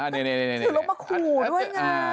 ถือลงมาขู่ด้วยไง